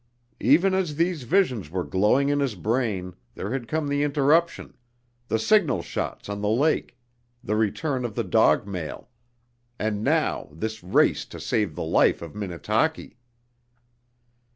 Even as these visions were glowing in his brain there had come the interruption, the signal shots on the lake, the return of the dog mail, and now this race to save the life of Minnetaki!